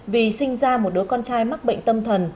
vì sinh ra một đứa con trai mắc bệnh tâm thần